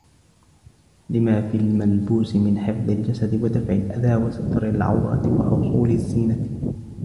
لِمَا فِي الْمَلْبُوسِ مِنْ حِفْظِ الْجَسَدِ وَدَفْعِ الْأَذَى وَسَتْرِ الْعَوْرَةِ وَحُصُولِ الزِّينَةِ